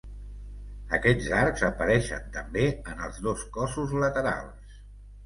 Aquests arcs apareixen també en els dos cossos laterals.